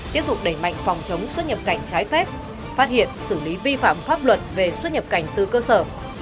tiếp tục đẩy mạnh phòng chống xuất nhập cảnh trái phép phát hiện xử lý vi phạm pháp luật về xuất nhập cảnh từ cơ sở